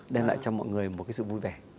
đem lại cho mọi người một sự vui vẻ